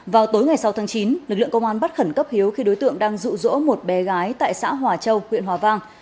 vào tối ngày sáu tháng chín lực lượng công an bắt khẩn cấp hiếu khi đối tượng đang rụ rỗ một bé gái tại xã hòa châu huyện hòa vang